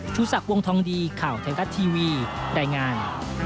ชูสักวงธองดีข่าวไทยรัฐทีวีได้งาน